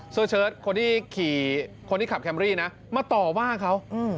เชิดคนที่ขี่คนที่ขับแคมรี่นะมาต่อว่าเขา